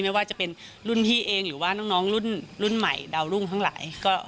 ไม่ว่าจะเป็นรุ่นพี่เองหรือว่าน้องรุ่นใหม่ดาวรุ่งทั้งหลาย